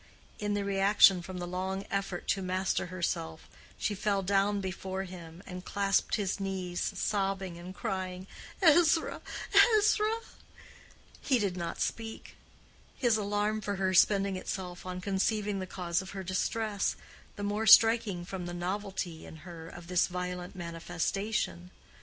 In the reaction from the long effort to master herself, she fell down before him and clasped his knees, sobbing, and crying, "Ezra, Ezra!" He did not speak. His alarm for her spending itself on conceiving the cause of her distress, the more striking from the novelty in her of this violent manifestation.